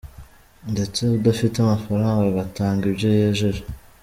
Ndetse udafite amafaranga agatanga ibyo yejeje.